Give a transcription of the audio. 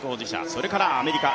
それからアメリカ